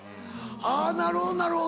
あぁなるほどなるほど。